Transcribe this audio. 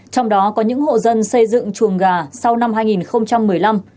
trong đó có những hộ dân xây dựng chuồng gà sau năm hai nghìn một mươi năm